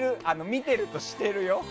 見てるとしてるよ。